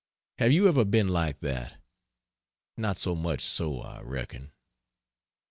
Have you ever been like that? Not so much so, I reckon.